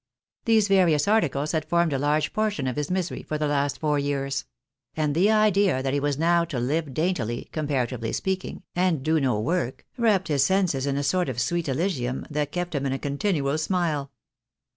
These various articles had formed a large portion of his misery for the last four years ; and the idea that he was now to hve daintUy (comparatively speaking) and do no work, wrapped his senses in a sort of sweet elysium that kept him in a continual smile.